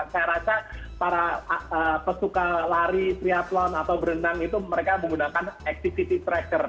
saya rasa para pesuka lari triathlon atau berenang itu mereka menggunakan activity tractor